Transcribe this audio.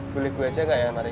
boleh gue aja gak ya mari